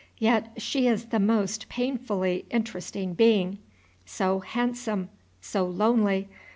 Yet she is the most painfully interesting being, so handsome! so lonely!